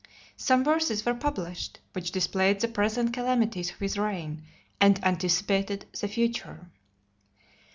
Some verses were published, which displayed the present calamities of his reign, and anticipated the future.